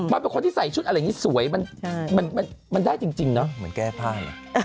มันเป็นคนที่ใส่ชุดอะไรอย่างนี้สวยมันได้จริงเนาะ